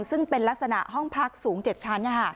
ซึ่งเป็นลักษณะห้องพักสูง๗ชั้น